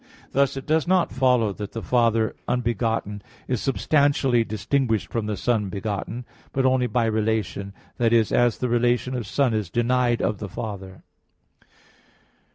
Thus it does not follow that the Father unbegotten is substantially distinguished from the Son begotten; but only by relation; that is, as the relation of Son is denied of the Father.